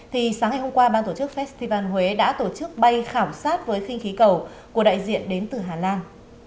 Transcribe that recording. thì sáng ngày hôm qua ban tổ chức festival huế đã tổ chức bay khảo sát với khinh khí cầu của đại diện đến từ hà lan